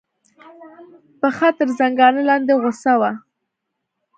پښه تر زنګانه لاندې غوڅه وه.